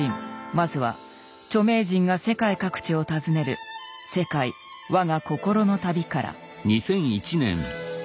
まずは著名人が世界各地を訪ねる「世界わが心の旅」から。